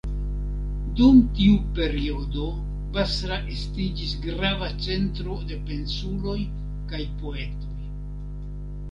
Dum tia periodo Basra estiĝis grava centro de pensuloj kaj poetoj.